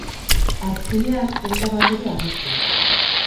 Azkenean ez da batere agertu.